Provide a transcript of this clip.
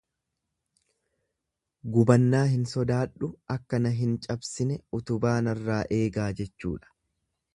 Gubannaa hin sodaadhu akka na hin cabsine utubaa narraa eegaa jechuudha.